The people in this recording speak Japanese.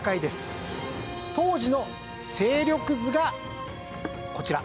当時の勢力図がこちら。